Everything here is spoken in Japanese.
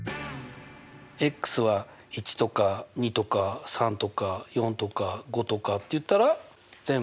は１とか２とか３とか４とか５とかっていったら全部？